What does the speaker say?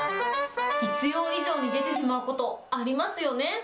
必要以上に出てしまうこと、ありますよね。